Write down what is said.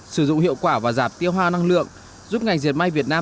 sử dụng hiệu quả và giảm tiêu hoa năng lượng giúp ngành diệt may việt nam